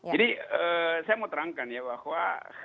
jadi saya mau terangkan ya bahwa